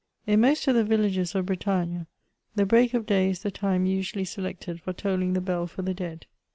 In most of the villages of Bretagne, the break of day is the time usually selected for tolling the bell for the dead.